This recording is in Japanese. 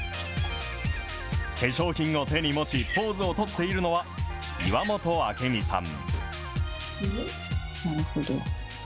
化粧品を手に持ち、ポーズを取っているのは、岩本明美さん。